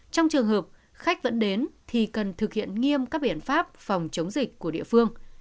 trong trường hợp khách vẫn đến thì cần thực hiện nghiêm các biện pháp phòng chống dịch của địa phương